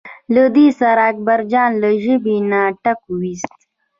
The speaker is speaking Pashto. له دې سره اکبرجان له ژبې نه ټک وویست.